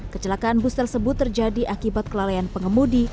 kecelakaan bus tersebut terjadi akibat kelalaian pengemudi